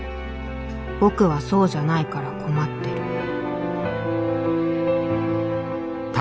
僕はそうじゃないから困ってる」